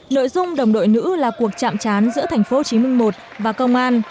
nội dung đồng đội nữ là cuộc chạm chán giữa tp hcm một và công an